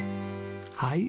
はい。